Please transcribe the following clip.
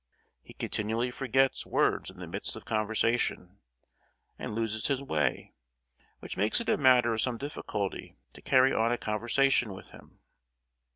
He continually forgets words in the midst of conversation, and loses his way, which makes it a matter of some difficulty to carry on a conversation with him.